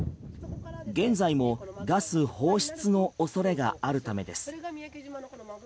現在もガス放出のおそれがあるためです。